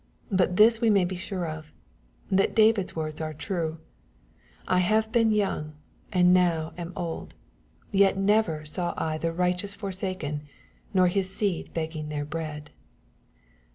But this we may be sure of, that Davici's words are true, " I have been young, and now am old, yet never saw I the righteous forsaken, nor his seed begging their bread."